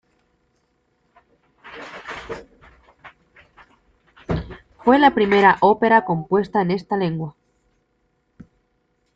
Fue la primera ópera compuesta en esta lengua.